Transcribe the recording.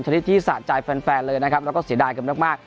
สถิติที่สะใจแฟนและเสียดายกันมาก